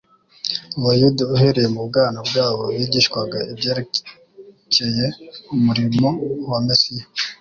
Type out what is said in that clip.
Abayuda uhereye mu bwana bwabo bigishwaga ibyerekcye umurimo wa Mesiya.